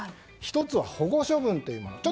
１つは保護処分というもの。